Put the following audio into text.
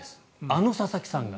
あの佐々木さんが。